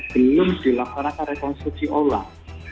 belum dilaksanakan rekonstruksi olah